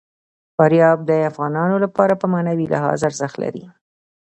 فاریاب د افغانانو لپاره په معنوي لحاظ ارزښت لري.